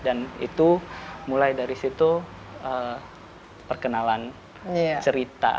dan itu mulai dari situ perkenalan cerita